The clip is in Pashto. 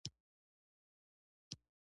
هغه د میرویس نیکه د کورنۍ ځانګړی ښوونکی و.